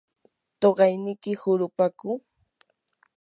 ¿tuqayniki hurupaku?